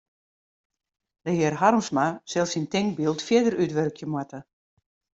De hear Harmsma sil syn tinkbyld fierder útwurkje moatte.